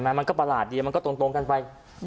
มันก็ประหลาดดีมันก็ตรงกันไป